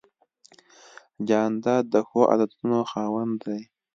جانداد د ښو عادتونو خاوند دی.